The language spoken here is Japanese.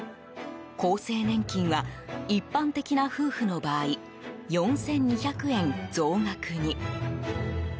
厚生年金は一般的な夫婦の場合４２００円増額に。